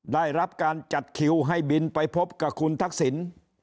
ได้รับการจัดคิวให้บินไปพบกับคุณทักษิณ